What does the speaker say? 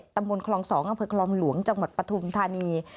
ตำบลคลอง๒อำเภอคลองหลวงจังหวัดปฐุมธานี